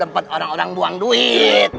tempat orang orang buang duit